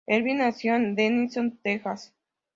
Ervin nació en Denison, Texas.